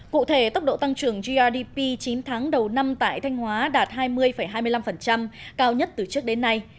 cụ thể tốc độ tăng trưởng grdp chín tháng đầu năm tại thanh hóa đạt hai mươi hai mươi năm cao nhất từ trước đến nay